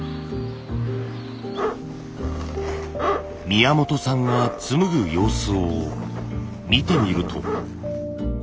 宮本さんがつむぐ様子を見てみると。